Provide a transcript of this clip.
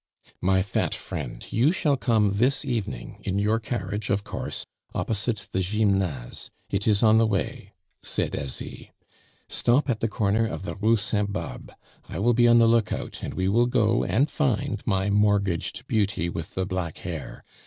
"My fat friend, you shall come this evening in your carriage, of course opposite the Gymnase. It is on the way," said Asie. "Stop at the corner of the Rue Saint Barbe. I will be on the lookout, and we will go and find my mortgaged beauty, with the black hair.